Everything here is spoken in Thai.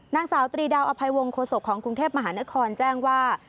นางสาวตรีดาวอภัยวงโฆษกของกรุงเทพมหานครแจ้งว่า